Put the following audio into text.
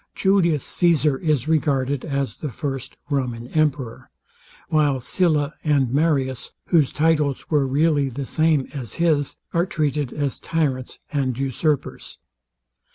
Julius Caesar is regarded as the first Roman emperor; while Sylla and Marius, whose titles were really the same as his, are treated as tyrants and usurpers.